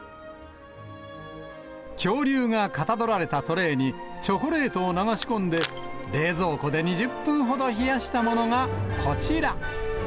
恐竜がかたどられたトレーに、チョコレートを流し込んで、冷蔵庫で２０分ほど冷やしたものがこちら。